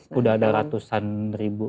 sudah ada ratusan ribu